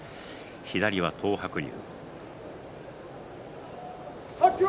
左が東白龍。